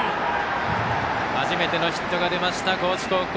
初めてのヒットが出ます高知高校。